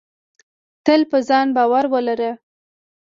تل په ځان باور ولره.